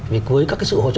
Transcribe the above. với các sự hỗ trợ